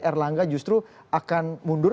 erlangga justru akan mundur